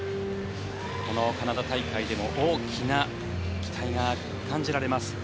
このカナダ大会でも大きな期待が感じられます。